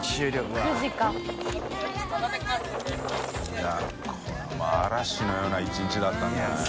いこれは嵐のような１日だったんじゃない？